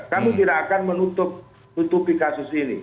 kami tidak akan menutupi kasus ini